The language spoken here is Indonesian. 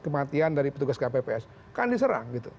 kematian dari petugas kpps kan diserang gitu